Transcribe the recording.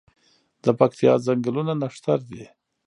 د پکتیا ځنګلونه نښتر دي